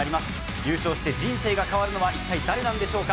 優勝して人生が変わるのは一体誰なんでしょうか？